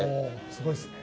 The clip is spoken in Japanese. すごいですね。